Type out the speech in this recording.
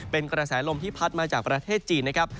เป็นกระแสลมที่พัดมาจากประเทศจีนนะครับ